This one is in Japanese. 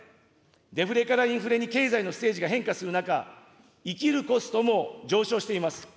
デフレからインフレに経済のステージが変化する中、生きるコストも上昇しています。